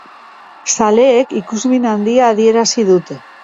Zaleek ikusmin handia adierazi dute.